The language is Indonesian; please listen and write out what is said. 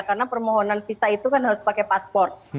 karena permohonan visa itu kan harus pakai paspor